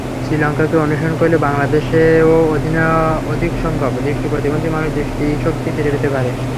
শ্রীলঙ্কাকে অনুসরণ করলে বাংলাদেশেও অধিকসংখ্যক দৃষ্টিপ্রতিবন্ধী মানুষ দৃষ্টিশক্তি ফিরে পেতে পারে।